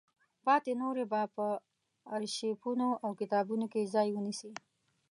پاتې نورې به په ارشیفونو او کتابونو کې ځای ونیسي.